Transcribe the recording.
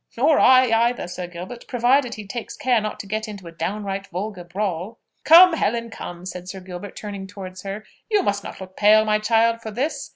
"Nor I, either, Sir Gilbert, provided he takes care not to get into a downright vulgar brawl." "Come, come, Helen," said Sir Gilbert, turning towards her, "you must not look pale, my child, for this.